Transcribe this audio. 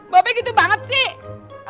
bapak gitu banget sih